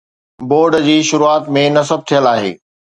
board جي شروعات ۾ نصب ٿيل آهي